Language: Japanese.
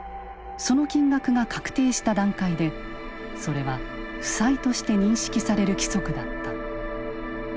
その金額が確定した段階でそれは負債として認識される規則だった。